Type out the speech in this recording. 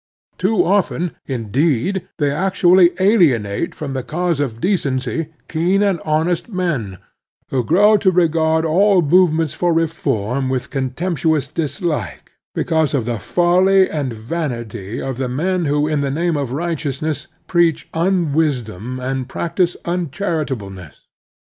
Too often, indeed, they actually alienate from the cause of decency keen and honest men, who grow to regard all movements for reform M'^KF^ ^^^^^H ^^^^^^^^^^^^^^H Latitude and Longitude 55 with contemptuous dislike because of the folly and vanity of the men who in the name of right eousness preach unwisdom and practise unchari tableness.